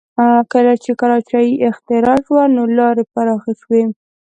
کله چې کراچۍ اختراع شوې نو لارې پراخه شوې